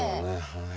はい。